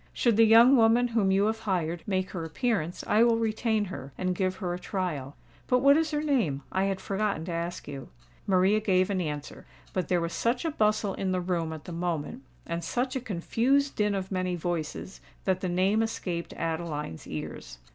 Should the young woman whom you have hired, make her appearance, I will retain her, and give her a trial. But what is her name? I had forgotten to ask you." Maria gave an answer; but there was such a bustle in the room at the moment and such a confused din of many voices, that the name escaped Adeline's ears.